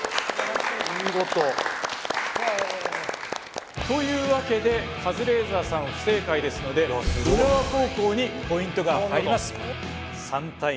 お見事。というわけでカズレーザーさん不正解ですので浦和高校にポイントが入ります。